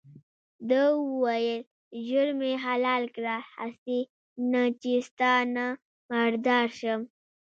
ده وویل ژر مې حلال کړه هسې نه چې ستا نه مردار شم.